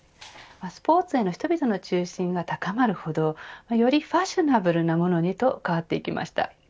スポーツへの人々の中心が高まるほどよりファッショナブルなものにと変わってきました。